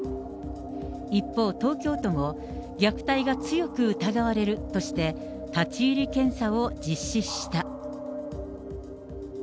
一方、東京都も、虐待が強く疑われるとして、立ち入り検査を実施した。